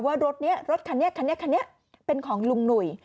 ว่ารถนี้รถคันแน่เป็นของลุงหนุ่ย